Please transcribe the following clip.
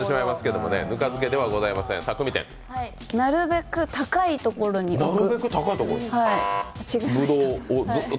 なるべく高い所に置く。